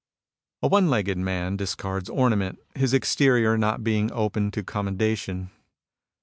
A one legged man discards ornament, his exterior not being open to commendation.